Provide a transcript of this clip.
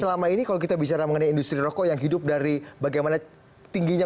selama ini kalau kita bicara mengenai industri rokok yang hidup dari bagaimana tingginya